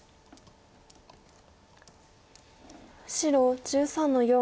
白１３の四。